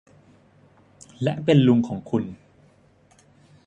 และเป็นลุงของคุณ